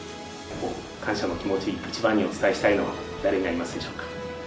感謝の気持ち、一番にお伝えしたいのは誰になりますでしょうか。